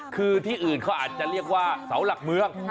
คือที่อื่นเขาอาจจะเรียกว่าเสาหลักเมือง